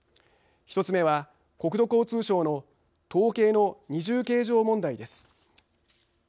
１つ目は国土交通省の統計の二重計上問題です。